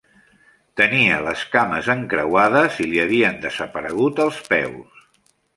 Tenia les cames encreuades i li havien desaparegut els peus.